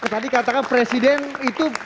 tadi katakan presiden itu